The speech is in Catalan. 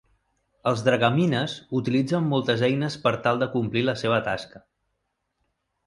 Els dragamines utilitzen moltes eines per tal de complir la seva tasca.